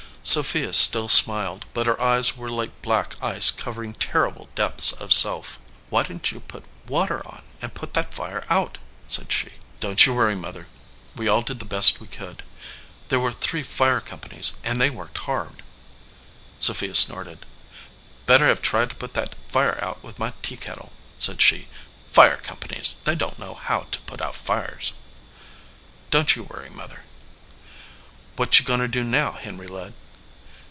Sophia still smiled, but her eyes were like black ice covering terrible depths of self. "Why didn t you put water on and put that fire out?" said she. "Don t you worry, Mother. We all did the best we could. There were three fire companies, and they worked hard." Sophia snorted. "Better have tried to put that fire out with my teakettle," said she. "Fire com panies ! They don t know how to put out fires." "Don t you worry, Mother." "What you goin to do now, Henry Ludd